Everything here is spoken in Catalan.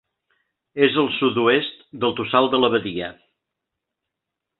És al sud-oest del Tossal de l'Abadia.